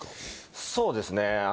そうですね。